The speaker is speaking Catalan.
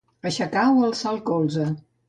Aixecar o alçar el colze.